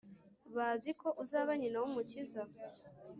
baziko uzaba nyina w’umukiza